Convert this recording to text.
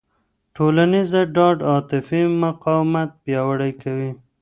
ټولنیزه ډاډ عاطفي مقاومت پیاوړی کوي.